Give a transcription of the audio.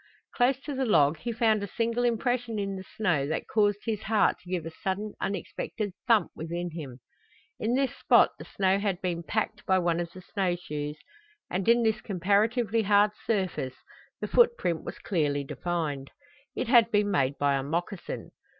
Close to the log he found a single impression in the snow that caused his heart to give a sudden unexpected thump within him. In this spot the snow had been packed by one of the snow shoes, and in this comparatively hard surface the footprint was clearly defined. It had been made by a moccasin.